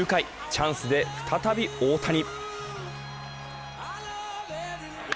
チャンスで再び大谷。